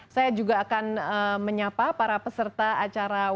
saya juga akan menyapa para peserta acara